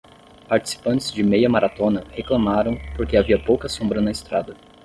Participantes de meia maratona reclamaram porque havia pouca sombra na estrada.